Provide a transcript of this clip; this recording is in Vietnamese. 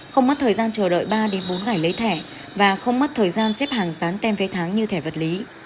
không mất thời gian chờ đợi ba bốn ngày lấy thẻ và không mất thời gian xếp hàng dán tem vé tháng như thẻ vật lý